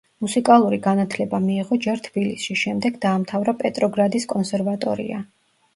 მუსიკალური განათლება მიიღო ჯერ თბილისში, შემდეგ დაამთავრა პეტროგრადის კონსერვატორია.